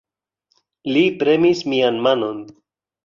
Li premis mian manon.